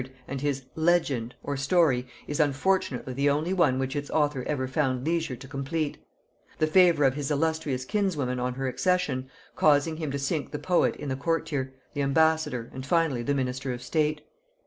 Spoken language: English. and his "Legend," or story, is unfortunately the only one which its author ever found leisure to complete; the favor of his illustrious kinswoman on her accession causing him to sink the poet in the courtier, the ambassador, and finally the minister of state.